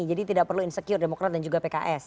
jadi tidak perlu insecure demokrat dan juga pks